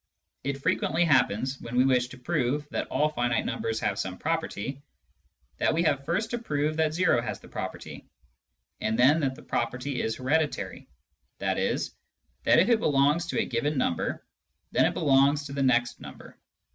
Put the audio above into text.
It frequently happens, when we wish to prove that all finite numbers have some property, that we have first to prove that o has the property, and then that the property is hereditary, i.e. that, if it belongs to a given number, then it belongs to the next number.